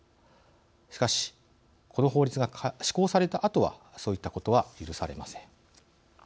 しかしこの法律が施行されたあとはそういったことは許されません。